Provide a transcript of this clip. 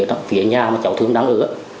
ở phía nhà cháu thương đang ở